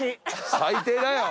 最低だよ！